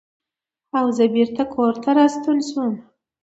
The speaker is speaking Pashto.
او زۀ بېرته کورته راستون شوم ـ